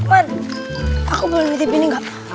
pak aku boleh ditipin nggak